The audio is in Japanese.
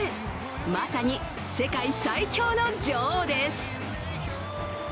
まさに世界最強の女王です。